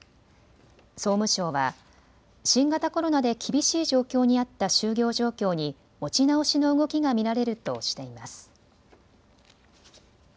総務省は新型コロナで厳しい状況にあった就業状況に持ち直しの動きが見られるとしています。